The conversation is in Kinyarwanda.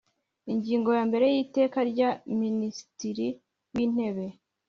Ingingo ya mbere y Iteka rya Minisitiri w Intebe